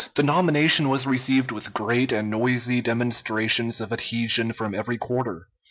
The nomination was received with great and noisy demonstrations of adhesion from every quarter.